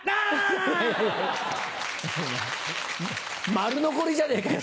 丸残りじゃねえかよ。